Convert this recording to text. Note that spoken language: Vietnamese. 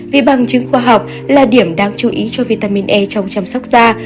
vì bằng chứng khoa học là điểm đáng chú ý cho vitamin e trong chăm sóc da